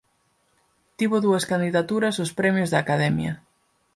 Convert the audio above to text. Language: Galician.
Tivo dúas candidaturas aos premios da Academia.